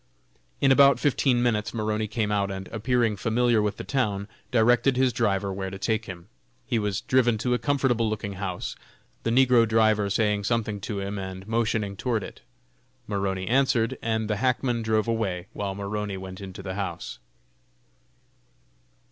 In about fifteen minutes Maroney came out, and appearing familiar with the town, directed his driver where to take him. He was driven to a comfortable looking house; the negro driver saying something to him, and motioning toward it. Maroney answered, and the hackman drove away, while Maroney went into the house.